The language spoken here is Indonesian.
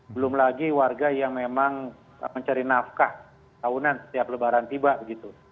belum lagi warga yang memang mencari nafkah tahunan setiap lebaran tiba begitu